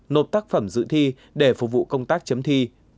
nộp tác phẩm dự thi để phục vụ công tác chấm thi